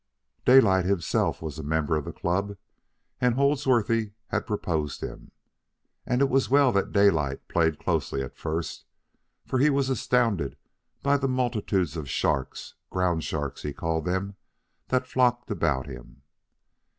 Daylight himself was a member of the club, and Holdsworthy had proposed him. And it was well that Daylight played closely at first, for he was astounded by the multitudes of sharks "ground sharks," he called them that flocked about him.